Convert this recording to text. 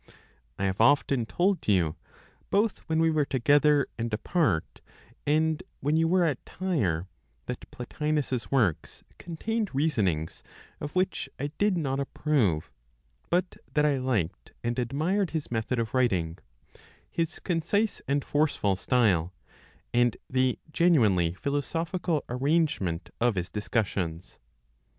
I have often told you, both when we were together, and apart, and when you were at Tyre, that Plotinos's works contained reasonings of which I did not approve, but that I liked and admired his method of writing; his concise and forceful style, and the genuinely philosophical arrangement of his discussions.